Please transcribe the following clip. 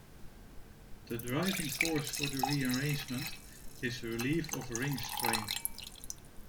The driving force for the rearrangement is relief of ring strain.